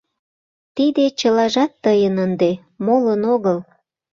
Тиде чылажат тыйын ынде, молын огыл!